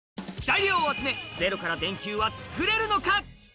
材料を集めゼロから電球は作れるのか？